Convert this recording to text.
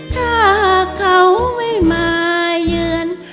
ถ้าเขาไม่มาเยือน